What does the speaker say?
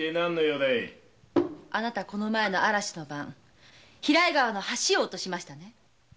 あなたはこの前の嵐の晩平井川の橋を落としましたね。